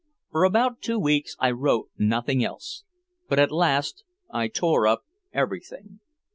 For about two weeks I wrote nothing else. But at last I tore up everything.